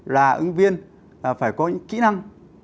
là ứng viên phải có những kỹ năng